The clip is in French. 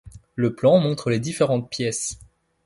le plan montre les différentes pièces